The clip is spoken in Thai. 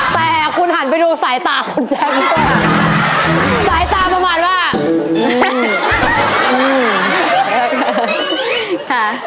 แต่คุณหันไปดูสายตาคุณแจ้งด้วยอ่ะสายตาประมาณว่าอืม